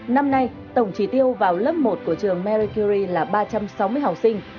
năm nay tổng trí tiêu vào lớp một của trường maricuri là ba trăm sáu mươi học sinh